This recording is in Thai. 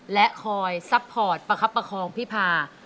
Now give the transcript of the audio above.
และคอยซัพพอร์ตประคับประคองพี่พา